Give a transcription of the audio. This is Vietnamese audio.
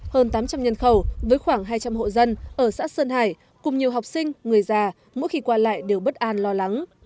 hơn tám trăm linh nhân khẩu với khoảng hai trăm linh hộ dân ở xã sơn hải cùng nhiều học sinh người già mỗi khi qua lại đều bất an lo lắng